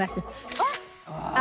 あっ！